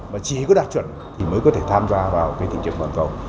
và chỉ có đạt chuẩn thì mới có thể tham gia vào thị trường hoàn cầu